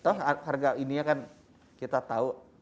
tau harga ini kan kita tahu